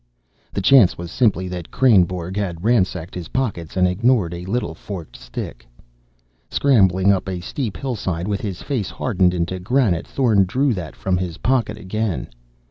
The chance was simply that Kreynborg had ransacked his pockets and ignored a little forked stick. Scrambling up a steep hillside with his face hardened into granite, Thorn drew that from his pocket again.